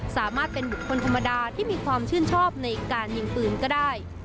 สามารถเป็นบุคคลธรรมดาที่มีความชื่นชอบในการยิงปืนก็ได้